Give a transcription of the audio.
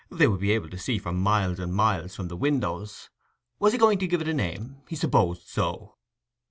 They would be able to see for miles and miles from the windows. Was he going to give it a name? He supposed so.